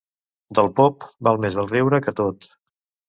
Del pop, val més el riure que tot.